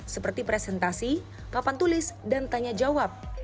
seperti presentasi papan tulis dan tanya jawab